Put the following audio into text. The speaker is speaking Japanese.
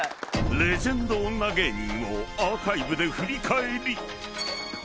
［レジェンド女芸人をアーカイブで振り返り］